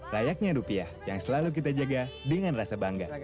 layaknya rupiah yang selalu kita jaga dengan rasa bangga